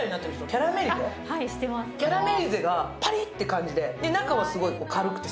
キャラメリゼがパリッって感じでで、中はすごい軽くて。